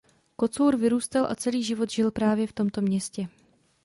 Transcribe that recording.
Kocour vyrůstal a celý život žil právě v tomto městě.